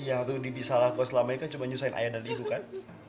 yang rudy bisa lakukan selamanya kan cuma nyusahin ayah dan ibu kan